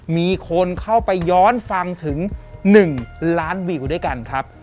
มีคนเข้าไปย้อนฟังถึง๑ล้านวิวด้วยกันครับ